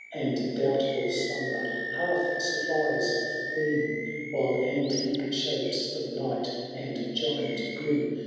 And doubtful slumber half supplies the theme , While antique shapes of knight and giant grim.